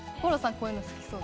こういうの好きそう。